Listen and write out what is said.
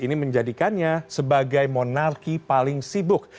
ini menjadikannya sebagai monarki paling sibuk